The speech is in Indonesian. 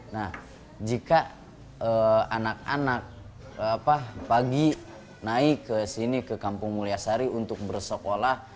nah jika anak anak pagi naik ke sini ke kampung mulyasari untuk bersekolah